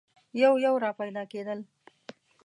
یو یو را پیدا کېدل.